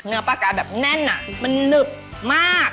เนื้อปลากลายแบบแน่นอะมันนึบมาก